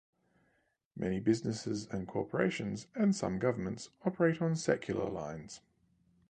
Many businesses and corporations, and some governments operate on secular lines.